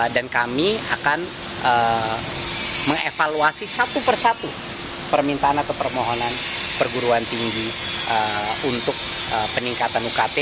dan kami akan mengevaluasi satu per satu permintaan atau permohonan perguruan tinggi untuk peningkatan ukt